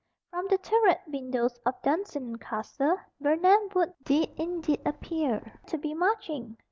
From the turret windows of Dunsinane Castle, Birnam Wood did indeed appear to be marching.